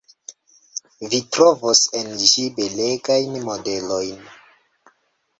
Vi trovos en ĝi belegajn modelojn.